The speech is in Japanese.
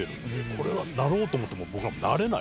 これはなろうと思っても僕らなれないですから。